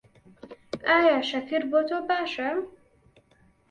ئایا شەکر بۆ تۆ باشە؟